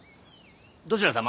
どちらさま？